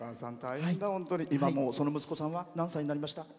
今もうその息子さんは何歳になりました？